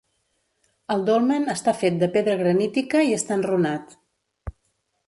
El dolmen està fet de pedra granítica i està enrunat.